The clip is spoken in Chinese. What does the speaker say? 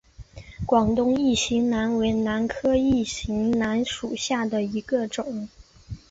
广东异型兰为兰科异型兰属下的一个种。